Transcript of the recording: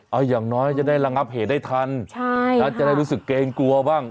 เอาอย่างน้อยจะได้ระงับเหตุได้ทันใช่แล้วจะได้รู้สึกเกรงกลัวบ้าง